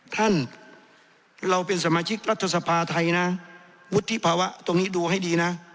ท่านเราเป็นสมาชิกรัฐสภาไทยนะวุฒิภาวะตรงนี้ดูให้ดีนะ